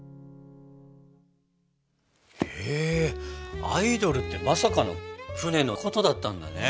へえアイドルってまさかの船のことだったんだね。